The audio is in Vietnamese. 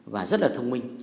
và rất là thông minh